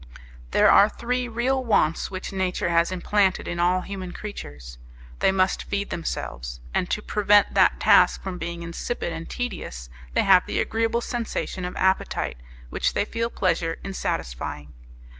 There are three real wants which nature has implanted in all human creatures. They must feed themselves, and to prevent that task from being insipid and tedious they have the agreeable sensation of appetite, which they feel pleasure in satisfying.